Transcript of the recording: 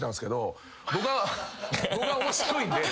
僕は面白いんで。